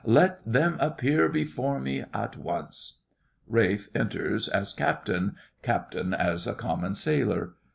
Let them appear before me, at once! [RALPH. enters as CAPTAIN; CAPTAIN as a common sailor.